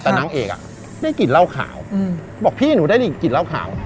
แต่นางเอกอ่ะได้กลิ่นเหล้าขาวบอกพี่หนูได้กลิ่นเหล้าขาว